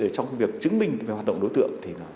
trong việc chứng minh về hoạt động đối tượng